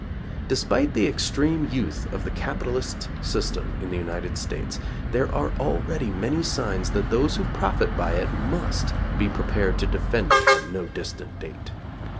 Despite the extreme youth of the capitalist system in the United States, there are already many signs that those who profit by it must be prepared to defend it at no distant date.